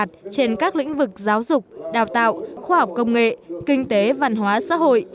trên các lĩnh vực giáo dục đào tạo khoa học công nghệ kinh tế văn hóa xã hội